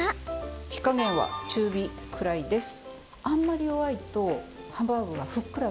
火加減は中火くらいです。